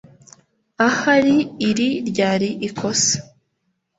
Ahari iri ryari ikosa